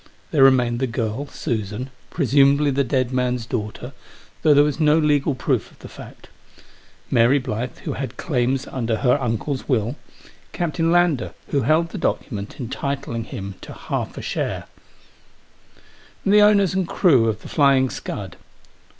There remained the girl, Susan, presumably the dead man's daughter, though there was no legal proof of the fact ; Mary Blyth, who had claims under her uncle's will ; Captain Lander, who held the document entitling him to a half share ; and the owners and crew of The Flying Scud.